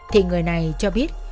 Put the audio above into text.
thì người này cho biết